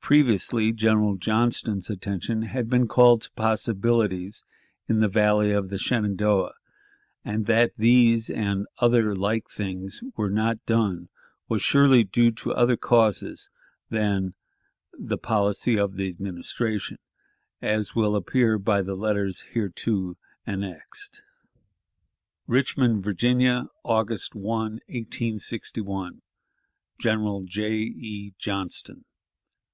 Previously, General Johnston's attention had been called to possibilities in the Valley of the Shenandoah, and that these and other like things were not done, was surely due to other causes than "the policy of the Administration," as will appear by the letters hereto annexed: "Richmond, Virginia, August 1, 1861. "General J. E. Johnston